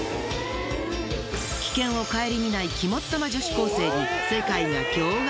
危険をかえりみない肝っ玉女子高生に世界が驚愕。